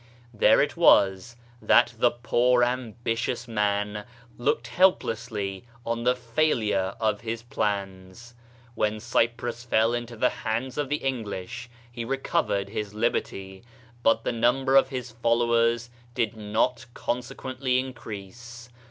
There it was that the poor ambitious man looked helplessly on the failure of his plans. When Cyprus fell into the hands of the English he recovered his liberty, but the number of his followers did not consequently increase.